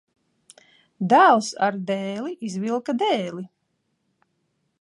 Dēls ar dēli izvilka dēli.